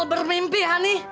lino bermimpi hani